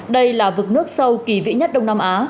đây là vực nước sâu kỳ vĩ nhất đông nam á